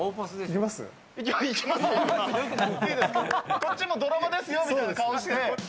こっちもドラマですよみたいな顔して。